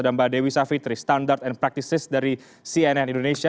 dan mbak dewi savitri standard and practices dari cnn indonesia